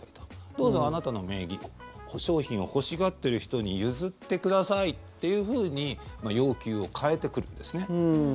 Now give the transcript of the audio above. どうぞ、あなたの名義商品を欲しがってる人に譲ってくださいっていうふうに要求を変えてくるんですね。